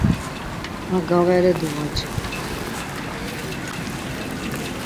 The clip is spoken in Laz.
Ma gavare duvaci.